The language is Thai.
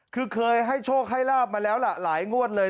คือเคยให้โชคให้ลาบมาแล้วล่ะหลายงวดเลย